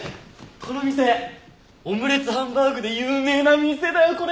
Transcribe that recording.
この店オムレツハンバーグで有名な店だよこれ！